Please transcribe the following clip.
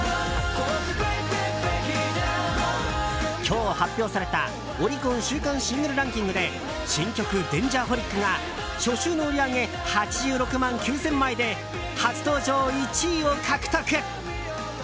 今日発表されたオリコン週間シングルランキングで新曲「Ｄａｎｇｅｒｈｏｌｉｃ」が初週の売り上げ８６万９０００枚で初登場１位を獲得。